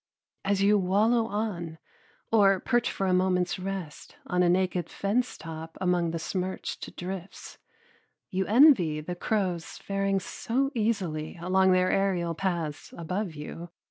As you wallow on, or perch for a moment's rest on a naked fence top among the smirched drifts, you envy the crows faring so easily along their aerial paths above you.